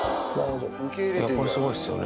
これ、すごいですよね。